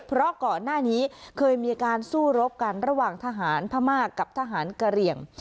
เพราะก่อนหน้านี้เคยมีการสู้รบกันระหว่างทหารพม่ากับทหารกะเหลี่ยง